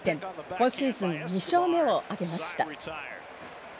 今シーズン２勝目を挙げました。